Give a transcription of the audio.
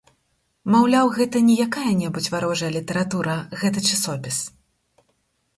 Маўляў, гэта не якая-небудзь варожая літаратура гэты часопіс.